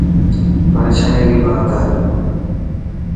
پريشاني ري بات هي.